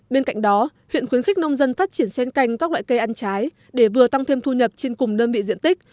bên cạnh đó huyện khuyến khích nông dân phát triển sen canh các loại cây ăn trái để vừa tăng thêm thu nhập trên cùng đơn vị diện tích